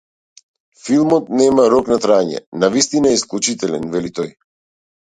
Филмот нема рок на траење, навистина е исклучителен, вели тој.